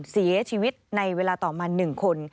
เสียชีวิตในเวลาต่อมา๑คน